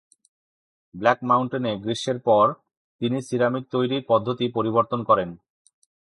Black মাউন্টেনে গ্রীষ্মের পর, তিনি সিরামিক তৈরির পদ্ধতি পরিবর্তন করেন।